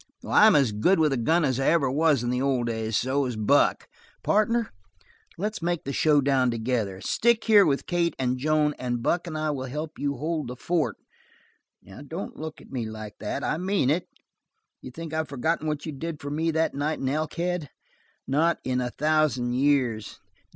"I'm as good with a gun as I ever was in the old days. So is Buck. Partner, let's make the show down together. Stick here with Kate and Joan and Buck and I will help you hold the fort. Don't look at me like that. I mean it. Do you think I've forgotten what you did for me that night in Elkhead? Not in a thousand years.